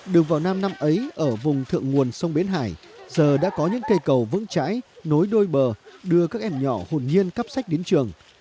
đường vào nam năm ấy ở vùng thượng nguồn sông bến hải giờ đã có những cây cầu vững chãi nối đôi bờ đưa các em nhỏ hồn nhiên cắp sách đến trường